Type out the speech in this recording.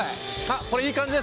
これいい感じです。